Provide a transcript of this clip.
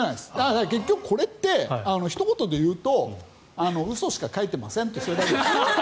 結局、これってひと言で言うと、嘘しか書いてませんそれだけです。